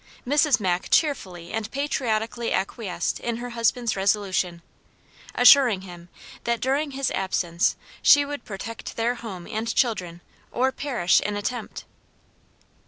Mrs. Mack cheerfully and patriotically acquiesced in her husband's resolution, assuring him that during his absence she would protect their home and children or perish in attempt.